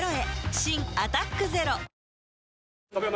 新「アタックＺＥＲＯ」５秒前。